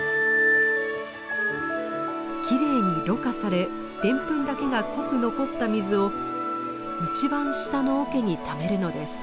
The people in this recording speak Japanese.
きれいにろ過されデンプンだけが濃く残った水を一番下の桶にためるのです。